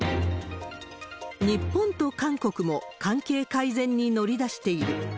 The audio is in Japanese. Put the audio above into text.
日本と韓国も、関係改善に乗り出している。